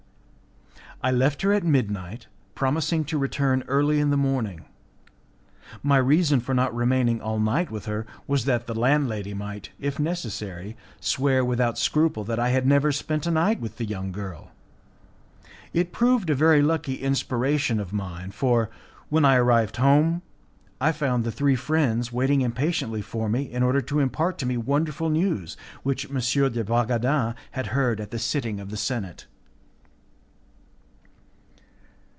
I left her at midnight, promising to return early in the morning my reason for not remaining all night with her was that the landlady might, if necessary, swear without scruple that I had never spent a night with the young girl. It proved a very lucky inspiration of mine, for, when I arrived home, I found the three friends waiting impatiently for me in order to impart to me wonderful news which M. de Bragadin had heard at the sitting of the senate.